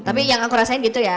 tapi yang aku rasain gitu ya